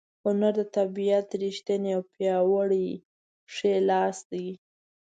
هنر د طبیعت ریښتینی او پیاوړی ښی لاس دی.